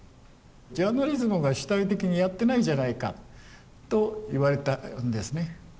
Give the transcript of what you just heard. ジャーナリズムが主体的にやってないじゃないかと言われたんですね。